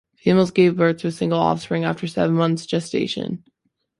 Females give birth to a single offspring after seven months' gestation.